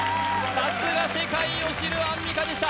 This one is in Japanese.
さすが世界を知るアンミカでした